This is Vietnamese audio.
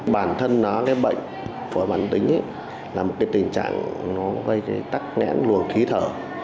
bản thân bệnh phổi man tính là một tình trạng gây tắc nghén luồng khí thở